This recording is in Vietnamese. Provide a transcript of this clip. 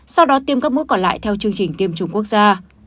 sau đó tiêm các mũi còn lại theo chương trình tiêm chủng quốc gia